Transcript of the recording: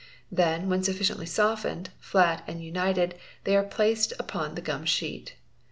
Then, when sufficiently softened, flat, and united, — she are placed upon the gummed sheet.